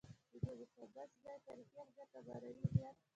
د دې مقدس ځای تاریخي اهمیت او معنوي هویت.